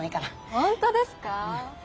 本当ですか？